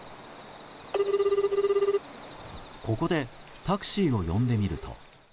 ここでタクシーを呼んでみると。